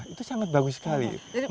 itu sangat bagus sekali